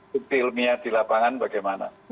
bukti ilmiah di lapangan bagaimana